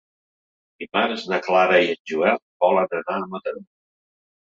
Dimarts na Clara i en Joel volen anar a Mataró.